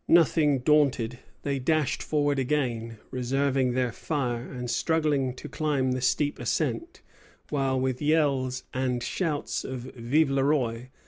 Nothing daunted, they dashed forward again, reserving their fire, and struggling to climb the steep ascent; while, with yells and shouts of Vive le Roi!